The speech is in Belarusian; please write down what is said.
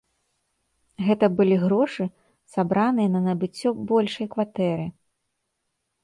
Гэты былі грошы, сабраныя на набыццё большай кватэры.